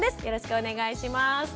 よろしくお願いします。